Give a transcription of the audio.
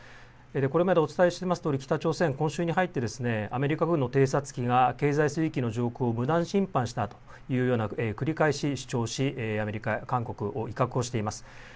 これまでお伝えしていますとおり北朝鮮、今週に入ってアメリカ軍の偵察機が経済水域の上空、無断侵犯したというような繰り返し主張しアメリカ、韓国を威嚇しています。